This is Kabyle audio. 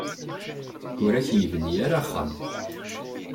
Ur ak-yebni ara axxam.